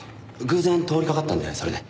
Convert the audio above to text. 偶然通りかかったんでそれで。